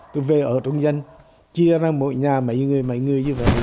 tôi về ở trong dân chia ra mỗi nhà mấy người mấy người như vậy